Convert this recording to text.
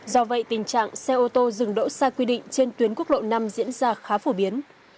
do vậy tình trạng xe ô tô dừng đỗ sai quy định trên tuyến quốc lộ năm diễn ra khá phổ biến